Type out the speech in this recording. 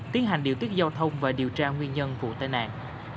tiến hành điều tiết giao thông và điều tra nguyên nhân vụ tai nạn